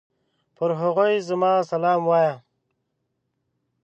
پر هغوی زما سلام وايه!